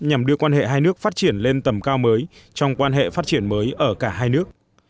nhằm đưa quan hệ hai nước phát triển lên tầm cao mới trong quan hệ phát triển mới ở cả hai nước